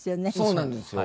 そうなんですよ。